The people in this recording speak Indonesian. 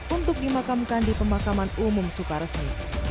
untuk dimakamkan di pemakaman umum sukar resmi